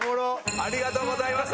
ありがとうございます！